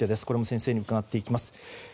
これも先生に伺っていきます。